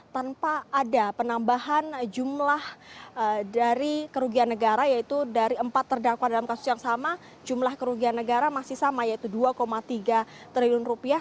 tanpa ada penambahan jumlah dari kerugian negara yaitu dari empat terdakwa dalam kasus yang sama jumlah kerugian negara masih sama yaitu dua tiga triliun rupiah